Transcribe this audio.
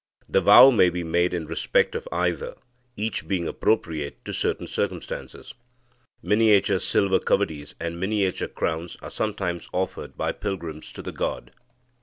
The vow may be made in respect of either, each being appropriate to certain circumstances. [Miniature silver kavadis, and miniature crowns, are sometimes offered by pilgrims to the god.